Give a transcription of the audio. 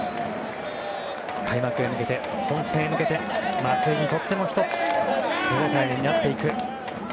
開幕へ向けて、本戦へ向けて松井にとっても１つ手応えになっていく。